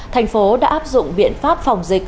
thành phố đã áp dụng biện pháp phòng dịch